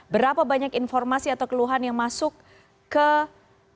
berapa banyak informasi atau keluhan yang masuk ke indonesia